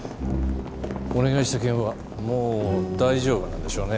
お願いした件はもう大丈夫なんでしょうね？